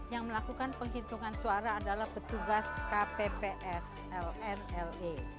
yang melakukan penghitungan suara adalah petugas kpps lnle